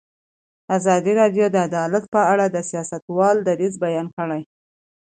ازادي راډیو د عدالت په اړه د سیاستوالو دریځ بیان کړی.